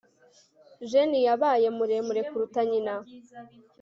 jane yabaye muremure kuruta nyina